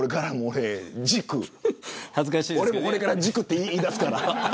俺もこれからは軸って言いだすから。